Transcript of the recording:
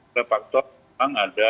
ada faktor memang ada